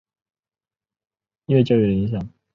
一些音乐家批评吉他英雄对音乐教育的影响。